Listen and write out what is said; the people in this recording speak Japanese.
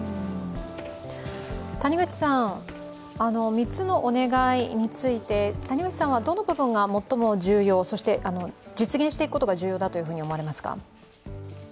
３つのお願いについて、谷口さんはどの部分が実現していくことが重要だと思われますか？